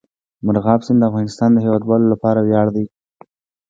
مورغاب سیند د افغانستان د هیوادوالو لپاره ویاړ دی.